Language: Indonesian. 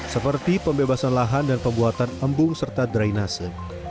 seperti pembebasan lahan dan pembuatan embung serta drainase